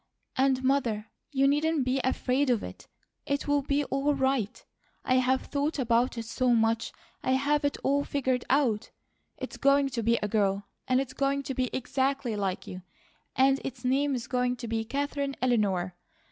"And Mother, you needn't be AFRAID of it. It will be all right. I have thought about it so much I have it all figured out. It's going to be a girl, and it's going to be exactly like you, and its name is going to be Katherine Eleanor.